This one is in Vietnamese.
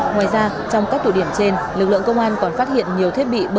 ngoài ra trong các tụ điểm trên lực lượng công an còn phát hiện nhiều thiết bị